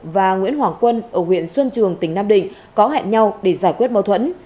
và nguyễn hoàng quân ở huyện xuân trường tỉnh nam định có hẹn nhau để giải quyết mâu thuẫn